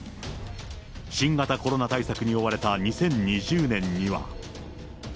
新型コロナ対策に追われた２０２０年には。